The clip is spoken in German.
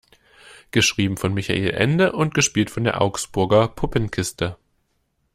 Geschrieben von Michael Ende und gespielt von der Augsburger Puppenkiste.